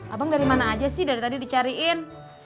abang dari mana aja sih dari tadi dicariin